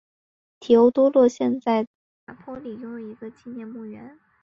提欧多洛现在在拿坡里拥有一个纪念墓园。